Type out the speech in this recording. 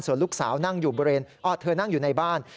ส่วนลูกสาวนั่งอยู่บริเวณเธอนั่งอยู่ในบ้าน